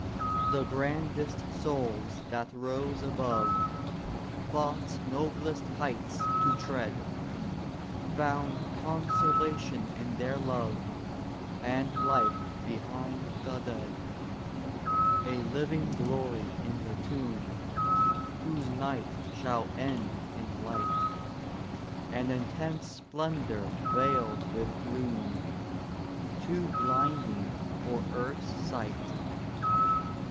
The grandest souls that rose above, Thought's noblest heights to tread, Found consolation in their love, And life behind the dead. A living glory in the tomb, Whose night shall end in light; An intense splendor veiled with gloom, Too blinding for earth's sight.